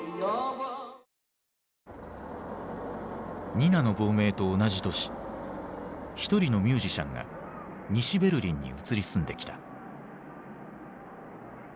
ニナの亡命と同じ年一人のミュージシャンが西ベルリンに移り住んできた。